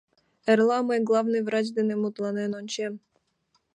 Эрла мый главный врач дене мутланен ончем.